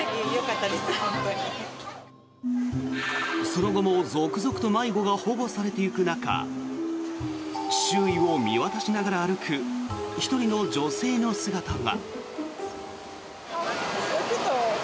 その後も続々と迷子が保護されていく中周囲を見渡しながら歩く１人の女性の姿が。